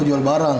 oh jual barang